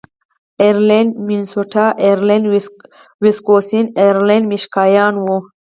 ایرلنډ مینیسوټا، ایرلنډ ویسکوسین، ایرلنډ میشیګان و.